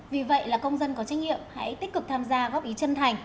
vì vậy là công dân có trách nhiệm hãy tích cực tham gia góp ý chân thành